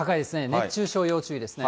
熱中症要注意ですね。